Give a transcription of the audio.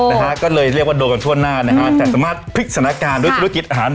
นะฮะก็เลยเรียกว่าโดนกันทั่วหน้านะฮะแต่สามารถพลิกสถานการณ์ด้วยธุรกิจอาหาร